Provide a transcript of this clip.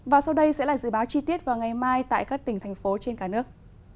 và sau đây sẽ là dự báo chi tiết vào ngày mai tại các tỉnh thành phố trên cả nước